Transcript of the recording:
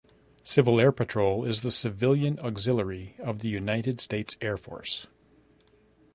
Civil Air Patrol is the civilian auxiliary of the United States Air Force.